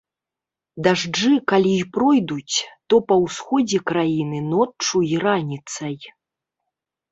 Дажджы калі і пройдуць, то па ўсходзе краіны ноччу і раніцай.